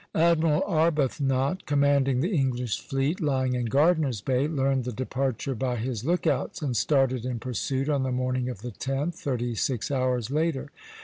Admiral Arbuthnot, commanding the English fleet lying in Gardiner's Bay, learned the departure by his lookouts, and started in pursuit on the morning of the 10th, thirty six hours later.